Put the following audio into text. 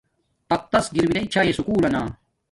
تقتس گیر مناݵ چھاݵݵ سکُول لنا